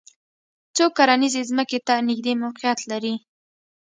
څوک کرنیزې ځمکې ته نږدې موقعیت لري